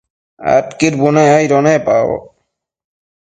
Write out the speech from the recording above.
Adquid bunec aido nepaboc